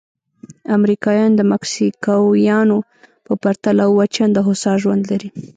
امریکایان د مکسیکویانو په پرتله اووه چنده هوسا ژوند لري.